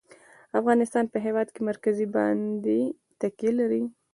افغانستان په د هېواد مرکز باندې تکیه لري.